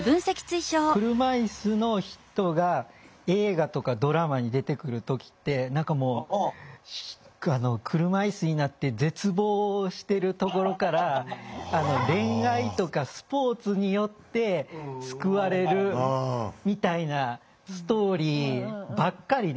車いすの人が映画とかドラマに出てくる時って何かもう車いすになって絶望してるところから恋愛とかスポーツによって救われるみたいなストーリーばっかりで。